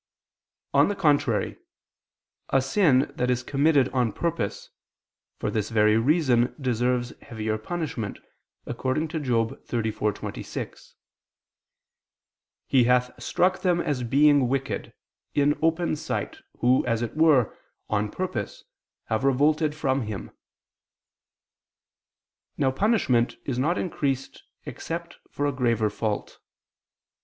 On the contrary, A sin that is committed on purpose, for this very reason deserves heavier punishment, according to Job 34:26: "He hath struck them as being wicked, in open sight, who, as it were, on purpose, have revolted from Him." Now punishment is not increased except for a graver fault.